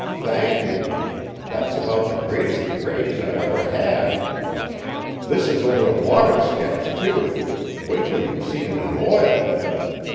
"Thank you! That's about the greatest praise I've ever had. This is only a water sketch, too; wait until you've seen it in oil!